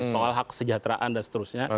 soal hak kesejahteraan dan seterusnya